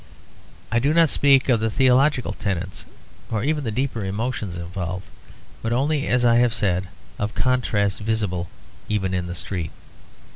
I do not speak of the theological tenets or even the deeper emotions involved, but only, as I have said, of contrasts visible even in the street.